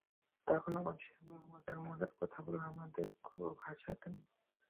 তখন আমার স্বামী মজার মজার কথা বলে আমাদের খুব হাসাতেন।